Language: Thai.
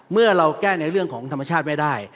เมื่อเราแก้ในเรื่องของธรรมชาติไม่ได้